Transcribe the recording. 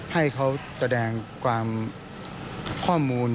ให้เขาแสดงความข้อมูล